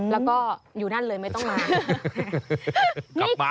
แล้วก็อยู่นั่นเลยไม่ต้องมา